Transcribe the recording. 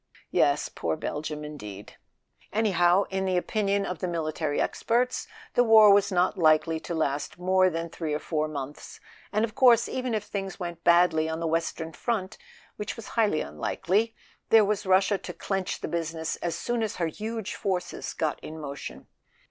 (Yes—poor Belgium, in¬ deed !) Anyhow, in the opinion of the military experts the war was not likely to last more than three or four months; and of course, even if things went badly on the western front, which was highly unlikely, there was Russia to clench the business as soon as her huge forces got in motion.